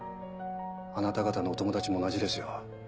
あなた方のお友達も同じですよ。